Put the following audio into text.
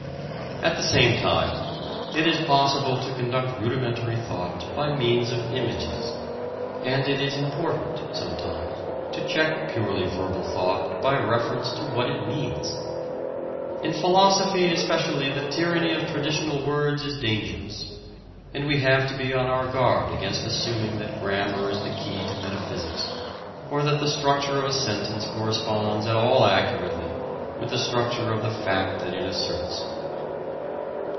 At the same time, it is possible to conduct rudimentary thought by means of images, and it is important, sometimes, to check purely verbal thought by reference to what it means. In philosophy especially the tyranny of traditional words is dangerous, and we have to be on our guard against assuming that grammar is the key to metaphysics, or that the structure of a sentence corresponds at all accurately with the structure of the fact that it asserts.